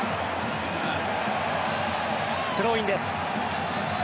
スローインです。